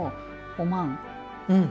おまん。